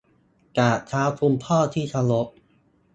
กราบเท้าคุณพ่อที่เคารพ